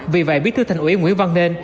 vì vậy bí thư thành ủy nguyễn văn nên